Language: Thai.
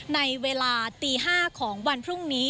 ในเวลาตี๕ของวันพรุ่งนี้